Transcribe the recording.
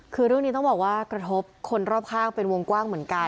คือเรื่องนี้ต้องบอกว่ากระทบคนรอบข้างเป็นวงกว้างเหมือนกัน